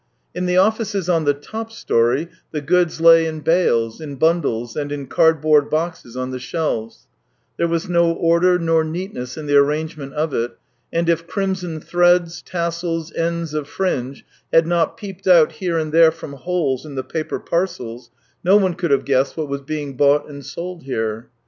In the offices on the top storey the goods lay in bales, in bundles and in cardboard boxes on the shelves; there was no order nor neatness in the arrangement of it, and if crimson threads, tassels, ends of fringe, had not peeped out here and there from holes in the paper parcels, no one could have guessed what was being bought and sold here.